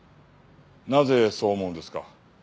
なぜそう思うんですか？